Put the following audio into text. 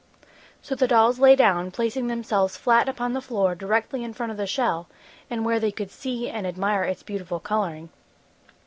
So the dolls lay down, placing themselves flat upon the floor directly in front of the shell and where they could see and admire its beautiful coloring.